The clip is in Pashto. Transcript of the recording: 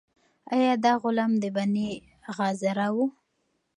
آیا دا غلام د بني غاضرة و؟